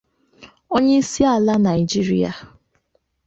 Onye isi ala Nigeria